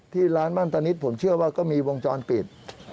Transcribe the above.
ที่ร้านบ้านตานิดผมเชื่อว่าก็มีวงจรปิด